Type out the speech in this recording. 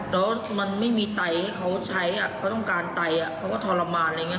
แล้วมันไม่มีไตให้เขาใช้เขาต้องการไตเขาก็ทรมานอะไรอย่างนี้